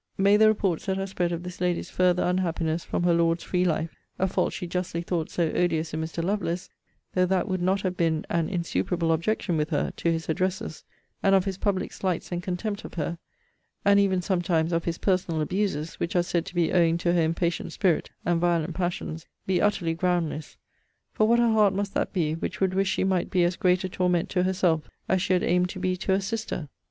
May the reports that are spread of this lady's farther unhappiness from her lord's free life; a fault she justly thought so odious in Mr. Lovelace (though that would not have been an insuperable objection with her to his addresses); and of his public slights and contempt of her, and even sometimes of his personal abuses, which are said to be owing to her impatient spirit, and violent passions; be utterly groundless For, what a heart must that be, which would wish she might be as great a torment to herself, as she had aimed to be to her sister?